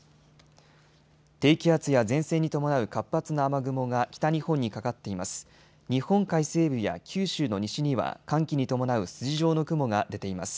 低気圧や前線に伴う活発な雨雲が北日本にかかっています。